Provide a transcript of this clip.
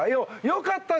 良かった！